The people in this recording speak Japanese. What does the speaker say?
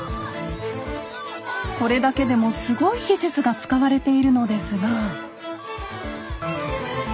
これだけでもすごい技術が使われているのですが。